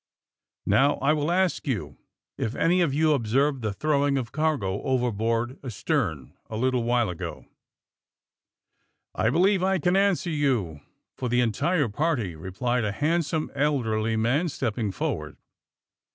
Now, I will ask you if any of you observed the throwing of cargo over board astern a little while ago?" *^I believe I can answer you for the entire party,'' replied a handsome, elderly man, step ping forward.